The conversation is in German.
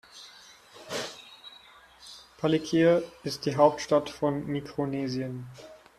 Palikir ist die Hauptstadt von Mikronesien.